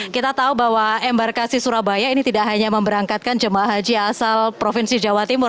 kita tahu bahwa embarkasi surabaya ini tidak hanya memberangkatkan jemaah haji asal provinsi jawa timur